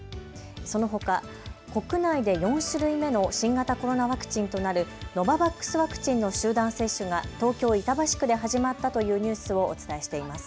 そのほか国内で４種類目の新型コロナワクチンとなるノババックスワクチンの集団接種が東京板橋区で始まったというニュースをお伝えしています。